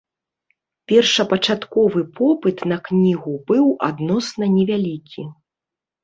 Першапачатковы попыт на кнігу быў адносна невялікі.